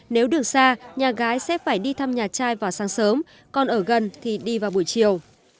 nếu được xa nhà gái sẽ phải đi thăm nhà trai vào sáng sớm còn ở gần thì đi vào buổi chiều